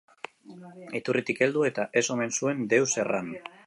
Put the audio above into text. Iturritik heldu, eta ez omen zuen deus erran.